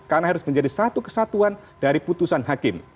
karena harus menjadi satu kesatuan dari putusan hakim